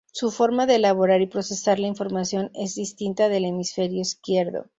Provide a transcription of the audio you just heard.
Su forma de elaborar y procesar la información es distinta del hemisferio izquierdo.